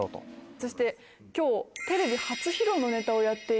そして今日。